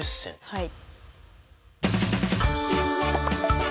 はい。